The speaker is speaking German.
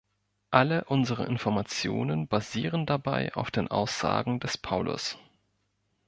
Alle unsere Informationen basieren dabei auf den Aussagen des Paulus.